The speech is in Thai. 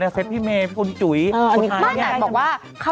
ในเซตพี่เมย์พี่คุณจุ๋ยคุณไอ้